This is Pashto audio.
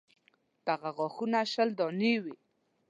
دغه غاښونه شل دانې وي.